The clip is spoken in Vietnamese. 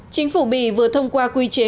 chính phủ mỹ vừa thông qua quy chế